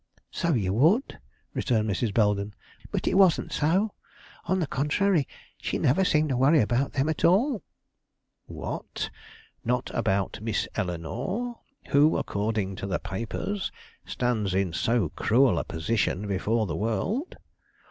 "So you would," returned Mrs. Belden; "but it wasn't so. On the contrary, she never seemed to worry about them at all." "What! not about Miss Eleanore, who, according to the papers, stands in so cruel a position before the world?